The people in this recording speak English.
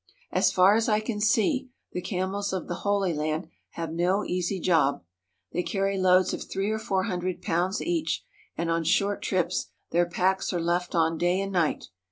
As far as I can see the camels of the Holy Land have no easy job. They carry loads of three or four hundred pounds each, and on short trips their packs are left on day and night.